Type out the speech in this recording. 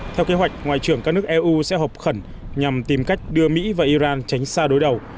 theo kế hoạch ngoại trưởng các nước eu sẽ hợp khẩn nhằm tìm cách đưa mỹ và iran tránh xa đối đầu